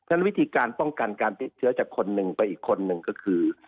ฉะวิธีการป้องกันการติดเชื้อจากคนหนึ่งไปอีกคนหนึ่งก็คือ